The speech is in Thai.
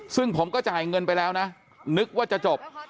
ซึ่งผมก็จ่ายเงินไปแล้วนะนึกว่าจะจบ